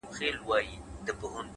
د زړه سکون له سم وجدان راځي